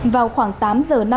vào khoảng tám giờ